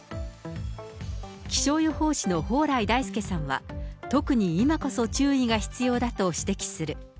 気象予報士の蓬莱大介さんは、特に今こそ注意が必要だと指摘する。